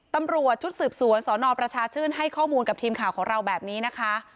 ตำรวจชุดสืบสวนสนประชาชื่นให้ข้อมูลกับทีมข่าวของเราแบบนี้นะคะ